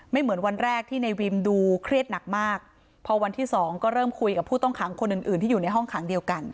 เหมือนวันแรกที่ในวิมดูเครียดหนักมากพอวันที่สองก็เริ่มคุยกับผู้ต้องขังคนอื่นอื่นที่อยู่ในห้องขังเดียวกัน